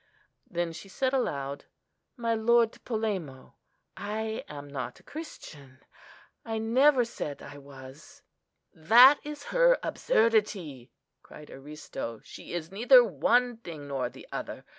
Then she said aloud, "My Lord Polemo, I am not a Christian;—I never said I was." "That is her absurdity!" cried Aristo. "She is neither one thing nor the other.